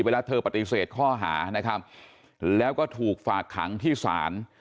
เวลาเธอปฏิเสธข้อหานะครับแล้วก็ถูกฝากขังที่ศาล